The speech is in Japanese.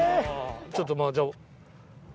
ちょっとまあじゃあ。